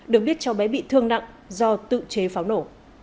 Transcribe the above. được biết cháu bé bị thương nặng do tự chế pháo nổ